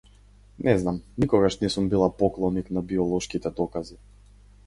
Не знам, никогаш не сум била поклоник на биолошките докази.